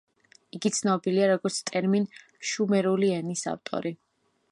იგი ცნობილია, როგორც ტერმინ „შუმერული ენის“ ავტორი.